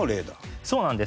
そうなんです。